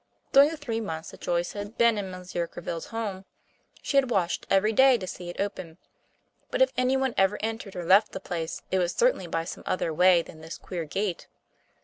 During the three months that Joyce had been in Monsieur Gréville's home, she had watched every day to see it open; but if any one ever entered or left the place, it was certainly by some other way than this queer gate.